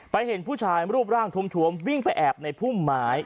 เห็นผู้ชายรูปร่างทวมวิ่งไปแอบในพุ่มไม้